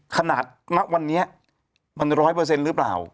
ขนาดณวันนี้มันร้อยเปอร์เซ็นต์หรือเปล่า